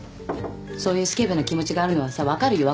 そういうスケベな気持ちがあるのはさ分かるよ。